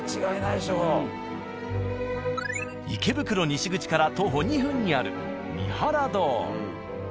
池袋西口から徒歩２分にある「三原堂」。